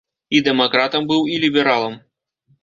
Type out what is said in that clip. І дэмакратам быў, і лібералам!